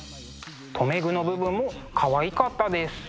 留め具の部分もかわいかったです。